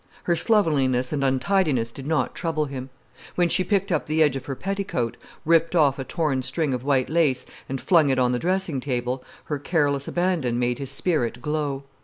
Her slovenliness and untidiness did not trouble him. When she picked up the edge of her petticoat, ripped off a torn string of white lace, and flung it on the dressing table, her careless abandon made his spirit glow.